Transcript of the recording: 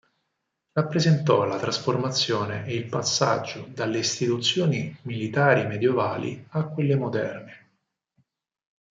Rappresentò la trasformazione e il passaggio dalle istituzioni militari medievali a quelle moderne.